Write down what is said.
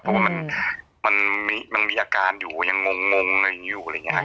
เพราะว่ามันมีอาการอยู่ยังงงอยู่อะไรอย่างนี้ครับ